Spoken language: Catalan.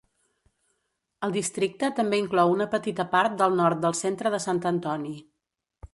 El districte també inclou una petita part del nord del centre de Sant Antoni.